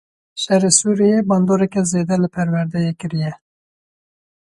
Şerê Sûriyeyê bandoreke zêde li perwerdeyê kiriye.